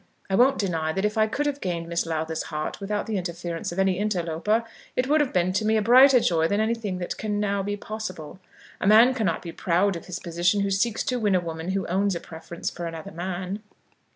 I won't deny that if I could have gained Miss Lowther's heart without the interference of any interloper, it would have been to me a brighter joy than anything that can now be possible. A man cannot be proud of his position who seeks to win a woman who owns a preference for another man."